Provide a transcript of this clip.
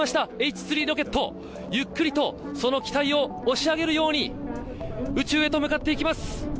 Ｈ３ロケット、ゆっくりとその機体を押し上げるように宇宙へと向かっていきます。